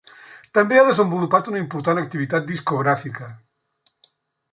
També ha desenvolupat una important activitat discogràfica.